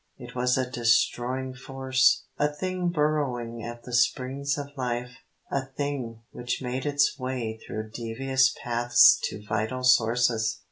It was a destroying force, a thing burrowing at the springs of life, a thing which made its way through devious paths to vital sources.